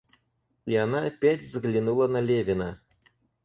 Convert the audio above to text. И она опять взглянула на Левина.